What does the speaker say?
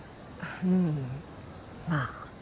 うんまあ